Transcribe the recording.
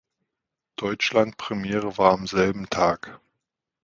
Deutschlandpremiere war am selben Tag.